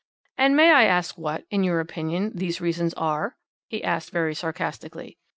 "And may I ask what, in your opinion, these reasons are?" he asked very sarcastically.